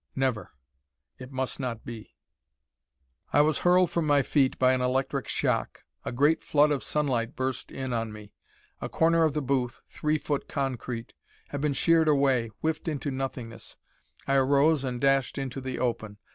Never. It must not be. I was hurled from my feet by an electric shock. A great flood of sunlight burst in on me. A corner of the booth, three foot concrete, had been sheared away, whiffed into nothingness! I arose and dashed into the open.